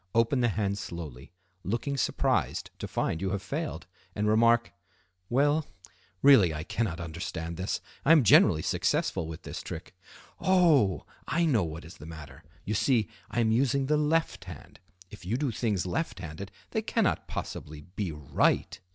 Open the hand slowly, looking surprised to find you have failed, and remark: "Well—really I cannot understand this. I am generally successful with this trick. Oh! I know what is the matter. You see, I am using the left hand; if you do things left handed they cannot possibly be right.